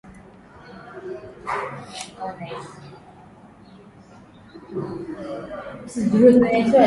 bwana hapa zambia kwa kweli hali ni shwari sana